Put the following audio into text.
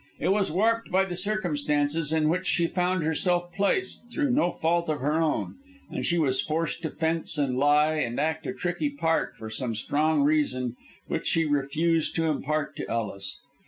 It was warped by the circumstances in which she found herself placed through no fault of her own, and she was forced to fence and lie, and act a tricky part for some strong reason which she refused to impart to Ellis.